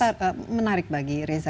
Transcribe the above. ini menarik bagi reza